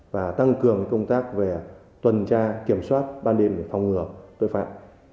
và tăng cường công tác về tuần tra kiểm soát ban đêm để phòng ngừa tội phạm